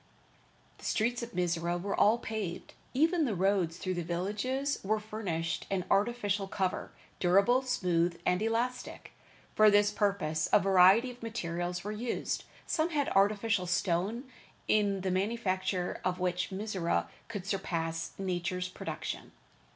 The streets of Mizora were all paved, even the roads through the villages were furnished an artificial cover, durable, smooth and elastic. For this purpose a variety of materials were used. Some had artificial stone, in the manufacture of which Mizora could surpass nature's production.